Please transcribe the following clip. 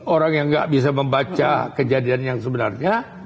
orang yang nggak bisa membaca kejadian yang sebenarnya